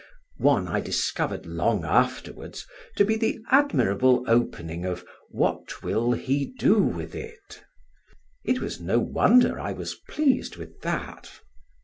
One I discovered long afterwards to be the admirable opening of What will he Do with It? It was no wonder I was pleased with that.